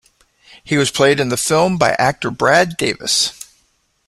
He was played in the film by actor Brad Davis.